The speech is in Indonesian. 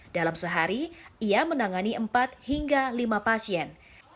dalam sehari ia menangani empat hingga lima pasien